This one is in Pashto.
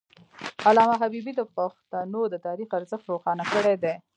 علامه حبيبي د پښتنو د تاریخ ارزښت روښانه کړی دی.